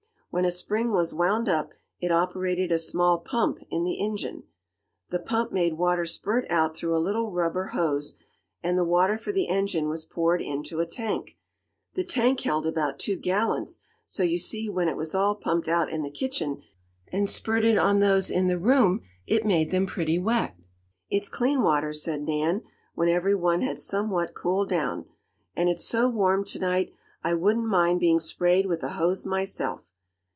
When a spring was wound up, it operated a small pump in the engine. The pump made water spurt out through a little rubber hose, and the water for the engine was poured into a tank. The tank held about two gallons, so you see when it was all pumped out in the kitchen, and spurted on those in the room, it made them pretty wet. "It's clean water," said Nan, when every one had somewhat cooled down, "and it's so warm to night, I wouldn't mind being sprayed with a hose myself."